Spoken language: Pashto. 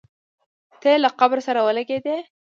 تی یې له قبر سره ولګېدی.